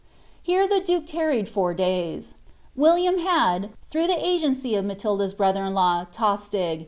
Here the duke tarried ] I days. William had, through the agency of >latilda'» brother I'Totttg.